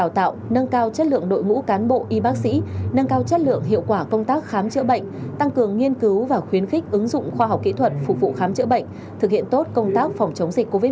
và công tác khám chữa bệnh tăng cường nghiên cứu và khuyến khích ứng dụng khoa học kỹ thuật phục vụ khám chữa bệnh thực hiện tốt công tác phòng chống dịch covid một mươi chín